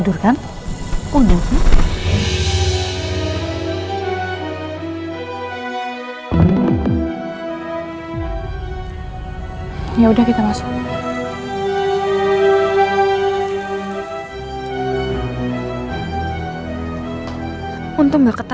dan aku akan